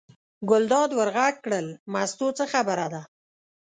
ګلداد ور غږ کړل: مستو څه خبره ده.